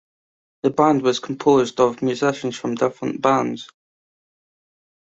The band was composed of musicians from different bands.